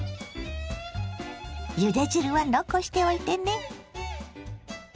ゆで汁は残しておいてね。